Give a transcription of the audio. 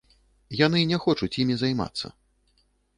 Яны не хочуць імі займацца.